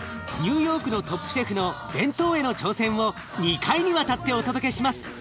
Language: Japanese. ニューヨークのトップシェフの弁当への挑戦を２回にわたってお届けします。